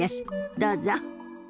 どうぞ。